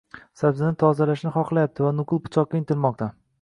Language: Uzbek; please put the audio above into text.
sabzini tozalashni xohlayapti va nuqul pichoqqa intilmoqda.